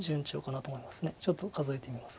ちょっと数えてみます。